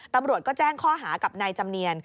ตำรวจก็แจ้งข้อหากับนายจำเนียน